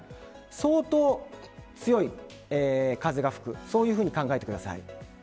相当強い風が吹くそういうふうに考えてください。